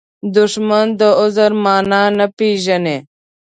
دښمن د عذر معنا نه پېژني